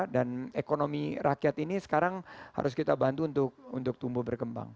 dan ekonomi rakyat ini sekarang harus kita bantu untuk tumbuh berkembang